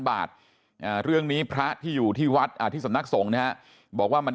บาทเรื่องนี้พระที่อยู่ที่วัดที่สำนักสงฆ์นะฮะบอกว่ามัน